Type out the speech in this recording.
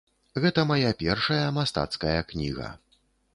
Гэта мая першая мастацкая кніга.